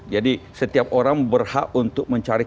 jadi setiap orang berhak untuk mencari